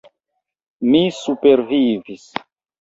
Mi supervivis.